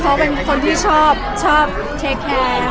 เขาเป็นคนที่ชอบชอบเทคแคร์คนอื่น